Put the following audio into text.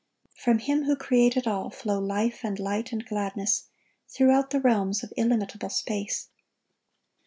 From Him who created all, flow life and light and gladness, throughout the realms of illimitable space.